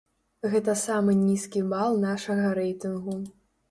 Гэта самы нізкі бал нашага рэйтынгу.